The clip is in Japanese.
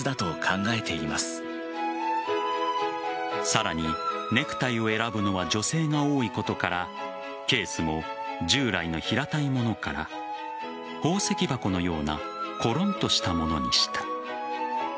さらにネクタイを選ぶのは女性が多いことからケースも従来の平たいものから宝石箱のようなコロンとしたものにした。